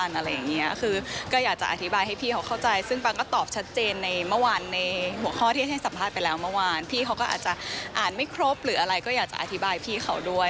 เราชัดเจนอยู่แล้วว่าเราไม่เคยรับอะไรเลย